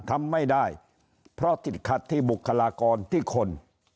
ทำไม่ได้เพราะติดขัดที่บุคลากรที่คน